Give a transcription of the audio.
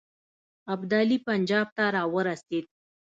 ابدالي پنجاب ته را ورسېد.